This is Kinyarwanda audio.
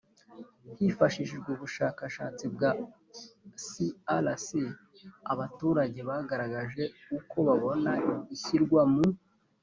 hifashishijwe ubushakashatsi bwa crc abaturage bagaragaje uko babona ishyirwa mu